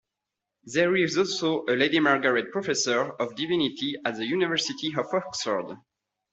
There is also a Lady Margaret Professor of Divinity at the University of Oxford.